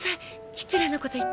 失礼な事言って。